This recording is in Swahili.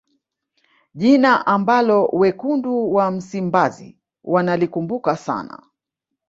jina ambalo wekundu wa msimbazi wanalikumbuka sana